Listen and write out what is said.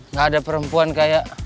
gak ada perempuan kayak